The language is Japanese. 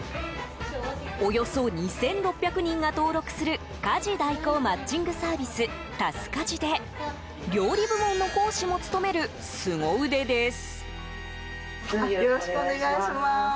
およそ２６００人が登録する家事代行マッチングサービスタスカジで料理部門の講師も務めるすご腕です。